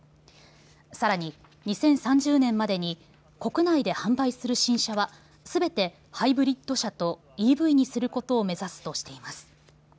さらに２０３０年までに国内で販売する新車はすべてハイブリッド車とＥＶにすることを目指すとしています。